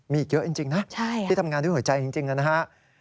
มีอีกเยอะจริงนะที่ทำงานด้วยหัวใจจริงนะครับ